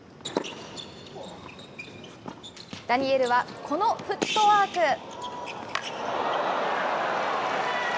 ダニエルはこのフットワーク。